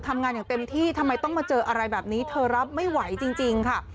ไม่ไหวจริงค่ะ